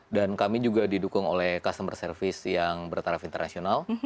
dan kami juga didukung oleh customer service yang bertaraf internasional